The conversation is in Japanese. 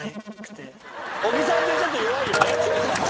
小木さんじゃちょっと弱いよね。